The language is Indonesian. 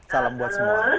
salam buat semua